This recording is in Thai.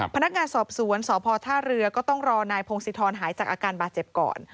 พนักงานสอบสวนสพท่าเรือก็ต้องรอนายพงศิธรหายจากอาการบาดเจ็บก่อน